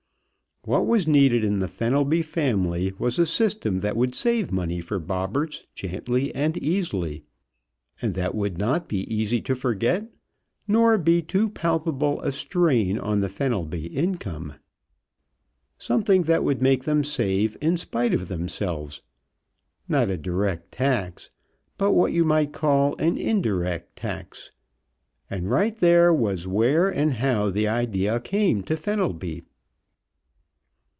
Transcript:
What was needed in the Fenelby family was a system that would save money for Bobberts gently and easily, and that would not be easy to forget nor be too palpable a strain on the Fenelby income. Something that would make them save in spite of themselves; not a direct tax, but what you might call an indirect tax and right there was where and how the idea came to Fenelby.